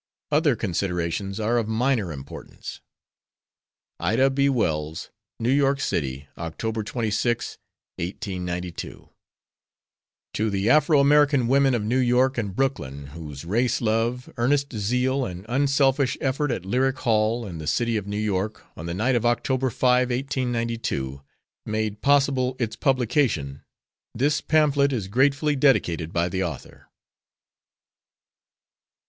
Other considerations are of minor importance. IDA B. WELLS New York City, Oct. 26, 1892 To the Afro American women of New York and Brooklyn, whose race love, earnest zeal and unselfish effort at Lyric Hall, in the City of New York, on the night of October 5, 1892 made possible its publication, this pamphlet is gratefully dedicated by the author.